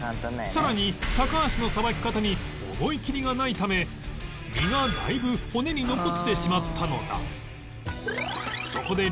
さらに高橋のさばき方に思い切りがないため身がだいぶ骨に残ってしまったのだ